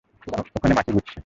ওখানে মাছি ঘুরছে।